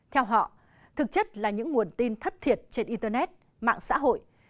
theo họ thực chất là những nguồn tin thất thiệt trên internet mạng xã hội